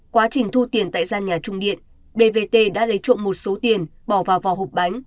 quá trình thu tiền tại gian nhà trung điện bvt đã lấy trộm một số tiền bỏ vào vỏ hộp bánh